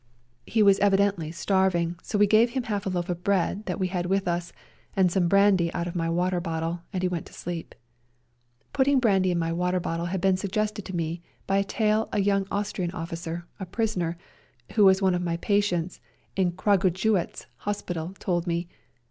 He A SERBIAN AMBULANCE 35 was evidently starving, so we gave him half a loaf of bread that we had with us, and some brandy out of my water bottle, and he went to sleep. Putting brandy in my water bottle had been suggested to me by a tale a young Austrian officer, a prisoner, who was one of my patients in Kragujewatz hospital, told me.